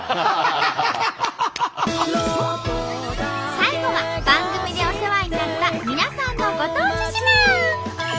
最後は番組でお世話になった皆さんのご当地自慢！